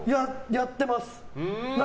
やってます。